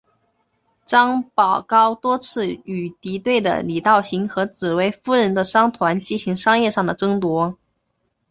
张保皋多次与敌对的李道行和紫薇夫人的商团进行商业上的争夺。